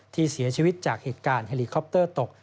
ที่เสียชีวิตจากเหตุการณ์เฮลิคอปเตอร์ตก